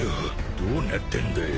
どうなってんだ！？